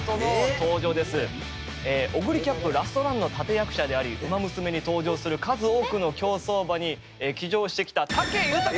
えオグリキャップラストランの立て役者であり「ウマ娘」に登場する数多くの競走馬に騎乗してきたええ